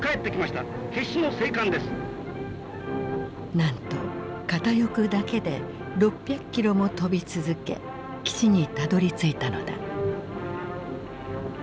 なんと片翼だけで６００キロも飛び続け基地にたどりついたのだ。